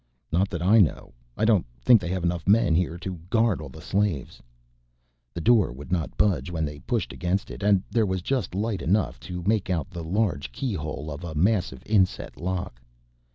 "Not that I know. I don't think they have enough men here to guard all the slaves." The door would not budge when they pushed against it, and there was just light enough to make out the large keyhole of a massive inset lock.